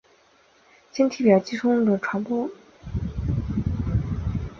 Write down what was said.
经体表寄生虫在人群中传播。